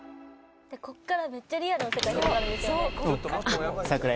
ここからめっちゃリアルな世界広がるんですよねあっああ